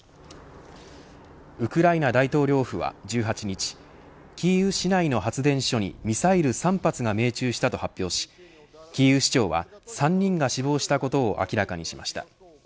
ウクライナ大統領府は１８日キーウ市内の発電所にミサイル３発が命中したと発表しキーウ市長は３人が死亡したことを明らかにしました。